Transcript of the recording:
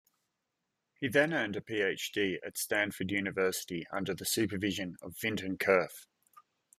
He then earned a PhD at Stanford University under the supervision of Vinton Cerf.